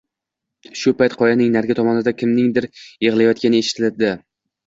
Shu payt qoyaning narigi tomonida kimningdir yig‘layotgani eshitilibdi